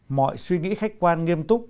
mọi suy nghĩ khách quan nghiêm túc